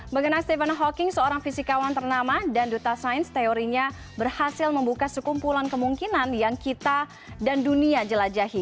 mengenai stephen hawking seorang fisikawan ternama dan duta sains teorinya berhasil membuka sekumpulan kemungkinan yang kita dan dunia jelajahi